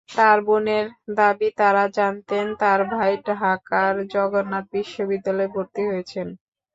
তাঁর বোনের দাবি, তাঁরা জানতেন, তাঁর ভাই ঢাকার জগন্নাথ বিশ্ববিদ্যালয়ে ভর্তি হয়েছেন।